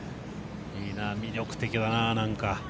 いいなぁ、魅力的だなぁ、なんか。